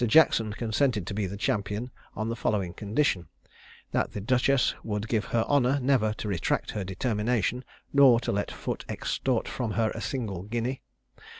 Jackson consented to be the champion on the following condition that the duchess would give her honour never to retract her determination, nor to let Foote extort from her a single guinea.